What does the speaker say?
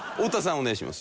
お願いします。